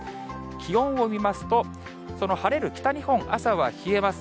気温を見ますと、その晴れる北日本、朝は冷えます。